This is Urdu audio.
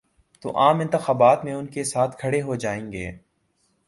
تو عام انتخابات میں ان کے ساتھ کھڑے ہو جائیں گے۔